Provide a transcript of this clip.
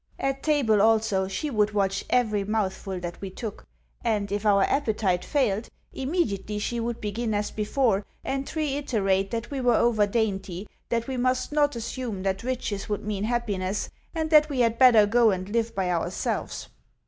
At table, also, she would watch every mouthful that we took; and, if our appetite failed, immediately she would begin as before, and reiterate that we were over dainty, that we must not assume that riches would mean happiness, and that we had better go and live by ourselves.